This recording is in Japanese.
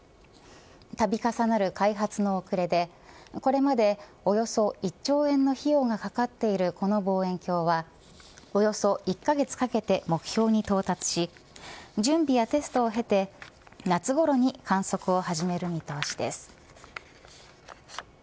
度重なる開発の遅れでこれまでおよそ１兆円の費用がかかっているこの望遠鏡はおよそ１カ月かけて目標に到達し準備やテストを経て夏ごろに観測を始める見通しです。